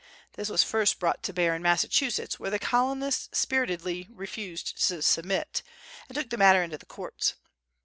This was first brought to bear in Massachusetts, where the Colonists spiritedly refused to submit, and took the matter into the courts.